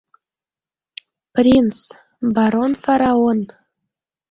Принц, барон Фараон